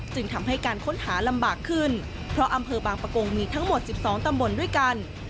จึงทำให้การค้นหาลำบากขึ้นเพราะอำเภอบางประกงมีทั้งหมด๑๒ตำบลด้วยกัน